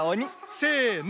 せの。